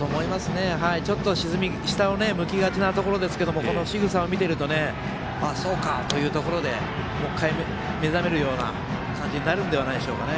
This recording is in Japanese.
ちょっと下を向きがちなところですけどこのしぐさを見ているとあ、そうかというところでもう一回目覚めるような感じになるのではないでしょうかね。